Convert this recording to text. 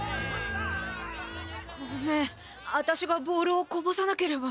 ごめん私がボールをこぼさなければ。